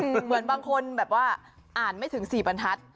เหมือนบางคนแบบว่าอ่านไม่ถึง๔บรรทัศน์